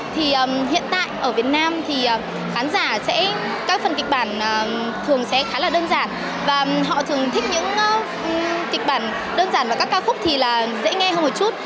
thì hiện tại ở việt nam thì khán giả sẽ các phần kịch bản thường sẽ khá là đơn giản và họ thường thích những kịch bản đơn giản và các ca khúc thì là dễ nghe hơn một chút